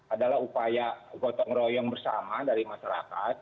adalah upaya gotong royong bersama dari masyarakat